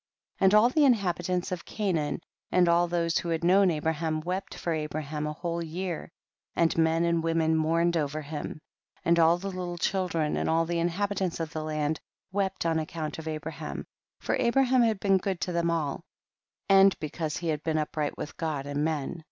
32. And all the inhabitants of Ca naan, and all those who had known Abraham, wept for Abraham a whole year, and men and women mourned over him. 33. And all the little children, and all the inhabitants of the land wept on accoiuit of Abraham, for Abraham had been good to them all, and be cause he had been upright with God and men.